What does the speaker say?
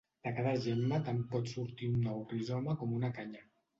De cada gemma tant pot sortir un nou rizoma com una canya.